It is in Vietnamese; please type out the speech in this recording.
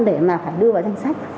để mà phải đưa vào danh sách